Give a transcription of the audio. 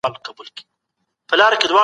که تعلیم دوام وکړي، ناپوهي نه زیاتېږي.